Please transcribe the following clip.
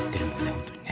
本当にね。